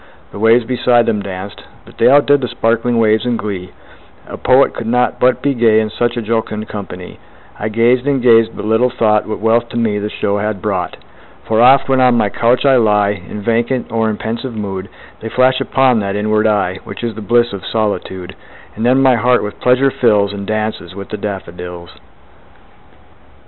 The waves beside them danced; but they Outdid the sparkling waves in glee; A poet could not but be gay, In such a jocund company; I gazed and gazed but little thought What wealth to me the show had brought: For oft, when on my couch I lie In vacant or in pensive mood, They flash upon that inward eye Which is the bliss of solitude; And then my heart with pleasure fills, And dances with the daffodils.